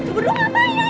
berdua ngapain ya